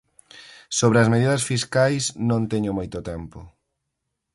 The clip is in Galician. Sobre as medidas fiscais non teño moito tempo.